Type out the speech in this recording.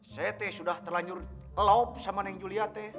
saya sudah terlanjur loob sama nenek julia